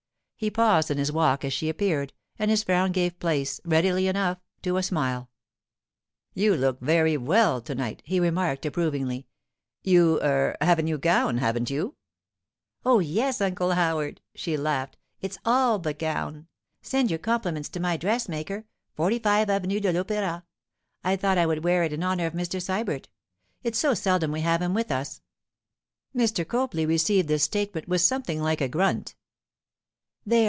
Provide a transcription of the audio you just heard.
He paused in his walk as she appeared, and his frown gave place, readily enough, to a smile. 'You look very well to night,' he remarked approvingly. 'You—er—have a new gown, haven't you?' 'Oh, yes, Uncle Howard,' she laughed. 'It's all the gown. Send your compliments to my dressmaker, 45 Avenue de l'Opéra. I thought I would wear it in honour of Mr. Sybert; it's so seldom we have him with us.' Mr. Copley received this statement with something like a grunt. 'There!